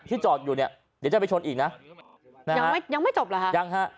จอดอยู่เนี่ยเดี๋ยวจะไปชนอีกนะยังไม่ยังไม่จบเหรอฮะยังฮะ